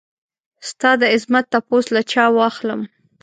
ستا دعظمت تپوس له چا واخلم؟